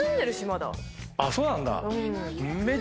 あっそうなんだ。